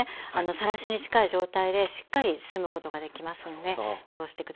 さらしに近い状態でしっかり包むことができますんでそうして下さい。